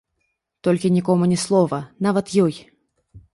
Толькі нікому ні слова, нават ёй.